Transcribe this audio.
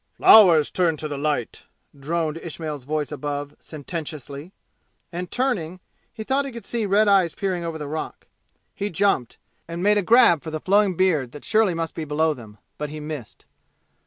"Flowers turn to the light!" droned Ismail's voice above sententiously, and turning, he thought he could see red eyes peering over the rock. He jumped, and made a grab for the flowing beard that surely must be below them, but he missed.